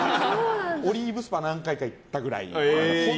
オリーブスパ何回か行ったくらい。